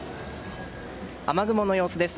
雨雲の様子です。